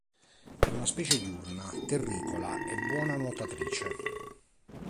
È una specie diurna, terricola e buona nuotatrice.